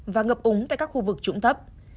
và ngập úng tại các khu vực trũng thấp